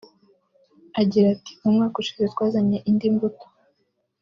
Agira ati “Mu mwaka ushize twazanye indi mbuto